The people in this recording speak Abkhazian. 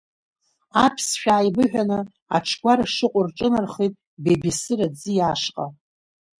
Аԥсшәа ааибыҳәаны, Аҽгәара шыҟоу рҿынархеит, Бебесыр аӡиа ашҟа.